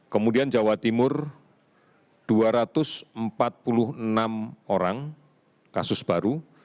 kemudian jawa timur dua ratus empat puluh enam orang kasus baru